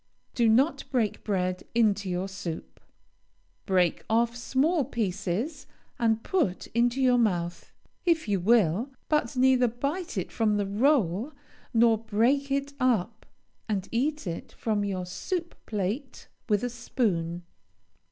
Do not break bread into your soup. Break off small pieces and put into your mouth, if you will, but neither bite it from the roll nor break it up, and eat it from your soup plate with a spoon.